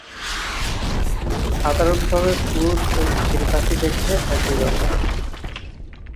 সাধারণভাবে পুরুষ ও স্ত্রী পাখি দেখতে একই রকম।